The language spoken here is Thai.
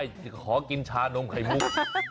ร้องไห้ขอกินชานมไข่มุก